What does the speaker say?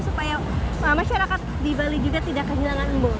supaya masyarakat di bali juga tidak kehilangan embung